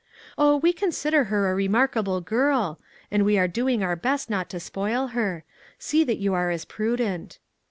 Oh, we consider her a remarkable girl, and we are do ing our best not to spoil her. See that you are as prudent.